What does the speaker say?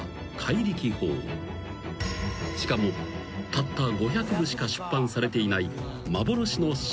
［しかもたった５００部しか出版されていない］